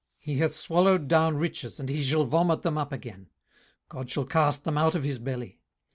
18:020:015 He hath swallowed down riches, and he shall vomit them up again: God shall cast them out of his belly.